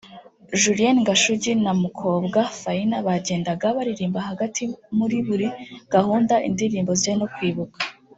Julienne Gashugi na Numukobwa Faina bajyendaga baririmba hagati muri buri gahunda indirimbo zijyanye no kwibuka